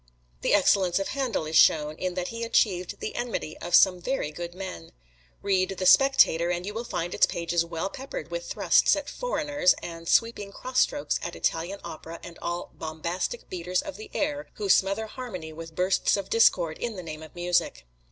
The excellence of Handel is shown in that he achieved the enmity of some very good men. Read the "Spectator," and you will find its pages well peppered with thrusts at "foreigners," and sweeping cross strokes at Italian Opera and all "bombastic beaters of the air, who smother harmony with bursts of discord in the name of music."